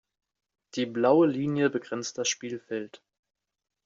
Die blaue Linie begrenzt das Spielfeld.